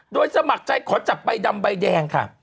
โดยสมัครใจขอจับใบดำใบแดงค่ะ